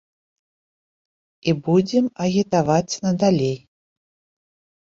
І будзем агітаваць надалей.